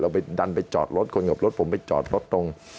ไปดันไปจอดรถคนกับรถผมไปจอดรถตรง